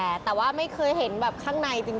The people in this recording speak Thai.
ก็ต้องมารถไปกระบวนทางหาข้าวกินค่ะ